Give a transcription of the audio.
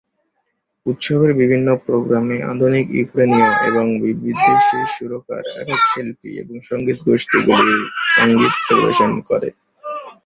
উৎসবের বিভিন্ন প্রোগ্রামে আধুনিক ইউক্রেনীয় এবং বিদেশী সুরকার, একক শিল্পী এবং সংগীত গোষ্ঠীগুলি সংগীত পরিবেশন করে।